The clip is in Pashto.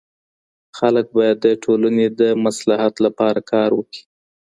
خلګ بايد د ټولني د مصلحت لپاره کار وکړي.